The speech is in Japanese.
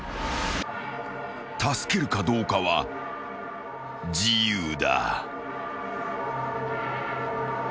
［助けるかどうかは自由だ］